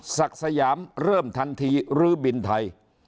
ศักดิ์สยามเริ่มทันทีรื้อบินไทย